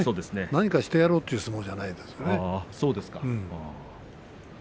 何かしてやろうという相撲じゃないですね。